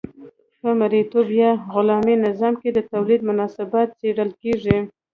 په مرئیتوب یا غلامي نظام کې د تولید مناسبات څیړل کیږي.